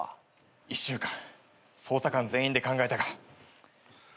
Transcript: １週間捜査官全員で考えたが難しすぎて。